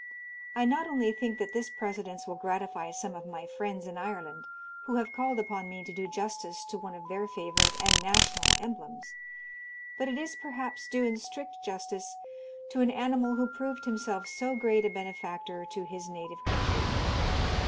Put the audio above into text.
I not only think that this precedence will gratify some of my friends in Ireland, who have called upon me to do justice to one of their favourite and national emblems, but it is, perhaps, due in strict justice to an animal who proved himself so great a benefactor to his native country.